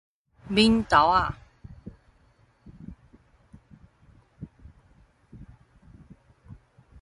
敏豆仔